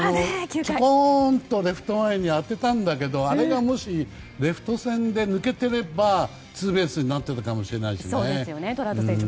ちょこんとレフト前に当てたんだけど、あれがもしレフト線で抜けてればツーベースになってたかもしれないですしね。